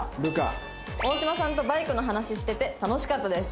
大島さんとバイクの話してて楽しかったです。